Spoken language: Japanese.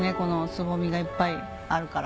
つぼみがいっぱいあるから。